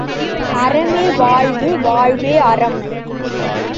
அறமே வாழ்வு வாழ்வே அறம்!